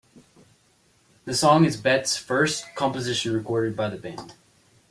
The song is Betts' first composition recorded by the band.